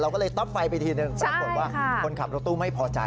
ก็เลยต๊อปไฟไปทีนึงปรากฏว่าคนขับรถตู้ไม่พอใจ